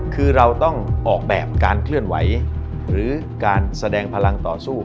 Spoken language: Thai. คือเราต้องออกแบบการเคลื่อนไหวหรือการแสดงพลังต่อสู้